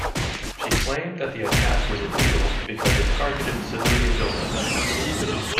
She claimed that the attack was illegal because it targeted civilian buildings.